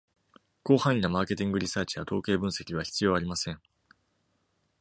広範囲なマーケティングリサーチや統計分析は必要ありません。